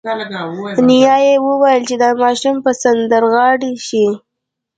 نیا یې وویل چې دا ماشوم به سندرغاړی شي